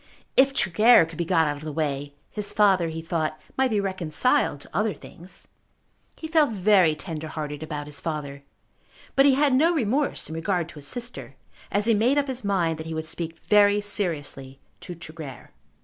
If Tregear could be got out of the way, his father, he thought, might be reconciled to other things. He felt very tender hearted about his father; but he had no remorse in regard to his sister as he made up his mind that he would speak very seriously to Tregear.